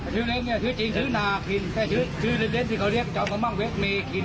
จอมพระมังเวชเมฆิน